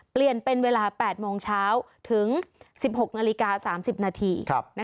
เปลี่ยนเป็นเวลา๘โมงเช้าถึง๑๖นาฬิกา๓๐นาที